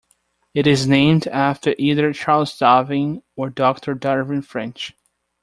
It is named after either Charles Darwin or Doctor Darwin French.